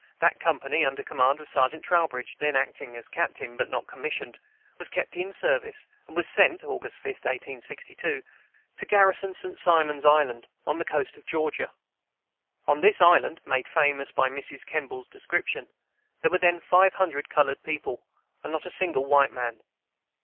That company, under command of Sergeant Trowbridge, then acting as Captain, but not commissioned, was kept in service, and was sent (August 5, 1862) to garrison St. Simon's Island, on the coast of Georgia. On this island (made famous by Mrs. Kemble's description) there were then five hundred colored people, and not a single white man.